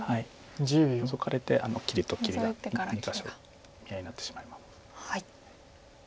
ノゾかれて切りと切りが２か所見合いになってしまいます。